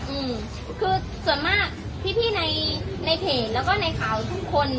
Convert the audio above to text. อืมคือส่วนมากพี่พี่ในในเพจแล้วก็ในข่าวทุกคน